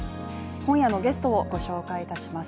今夜のゲストをご紹介いたします。